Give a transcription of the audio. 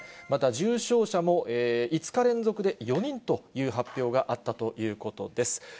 また、重症者も５日連続で４人という発表があったということです。